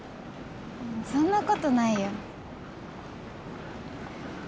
そんなことないよ。